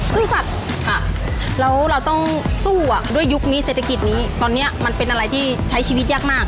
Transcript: ซึ่งสัตว์แล้วเราต้องสู้ด้วยยุคนี้เศรษฐกิจนี้ตอนนี้มันเป็นอะไรที่ใช้ชีวิตยากมาก